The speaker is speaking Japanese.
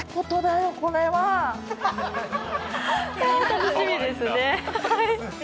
楽しみですね。